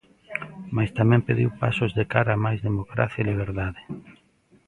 Mais tamén pediu pasos de cara a máis democracia e liberdade.